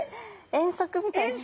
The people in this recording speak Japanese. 遠足みたいですね。